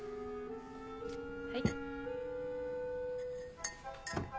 はい。